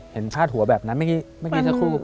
เห็นพลาดหัวแบบนั้นไม่คิดจะคู่กับคุณ